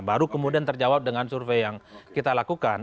baru kemudian terjawab dengan survei yang kita lakukan